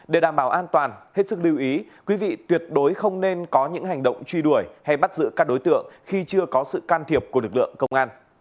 để đảm bảo an toàn hết sức lưu ý quý vị tuyệt đối không nên có những hành động truy đuổi hay bắt giữ các đối tượng khi chưa có sự can thiệp của lực lượng công an